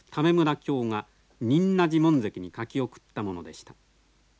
卿が仁和寺門跡に書き送ったものでした。